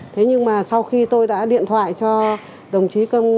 thế nhưng mà sau khi tôi đã điện thoại cho đồng chí công